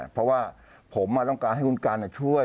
เพราะว่าผมต้องการให้คุณกันช่วย